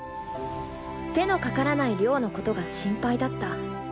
手のかからない亮のことが心配だった。